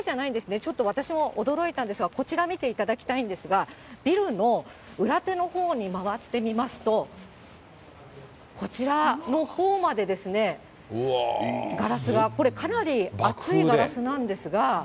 ちょっと私も驚いたんですが、こちら見ていただきたいんですが、ビルの裏手のほうに回ってみますと、こちらのほうまでガラスが、これ、かなり厚いガラスなんですが。